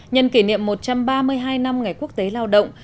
nhân kỷ niệm một trăm ba mươi hai năm ngày quốc tế lao động